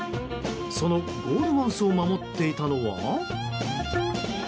そのゴールマウスを守っていたのは。